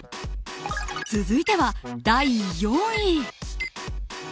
続いては第４位。